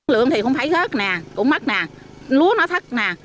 lượng thì không thấy rớt nè cũng mất nè lúa nó thất nè